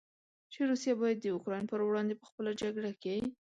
چې روسیه باید د اوکراین پر وړاندې په خپله جګړه کې.